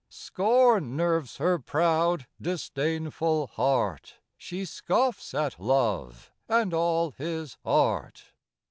Scorn nerves her proud, disdainful heart ! She scoffs at Love and all his art